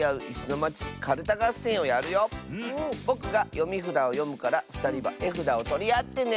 ぼくがよみふだをよむからふたりはえふだをとりあってね！